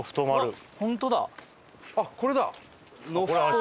あっこれだ。